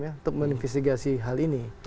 untuk menginvestigasi hal ini